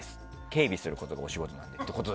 警備することがお仕事なんですって。